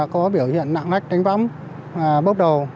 có biểu hiện lạng lách đánh võng bốc đầu